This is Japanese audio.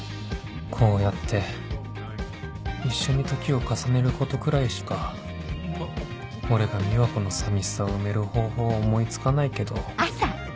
こうやって一緒に時を重ねることくらいしか俺が美和子の寂しさを埋める方法は思い付かないけど